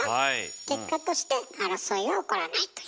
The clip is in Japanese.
結果として争いは起こらないという。